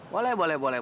boleh boleh boleh